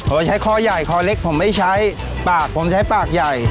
ใช้คอใหญ่คอเล็กผมไม่ใช้ปากผมใช้ปากใหญ่